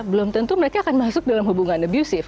belum tentu mereka akan masuk dalam hubungan abusive